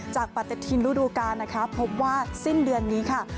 จากประเทศที่รูดูกาทพบว่าสิ้นเดือนนี้ค่ะ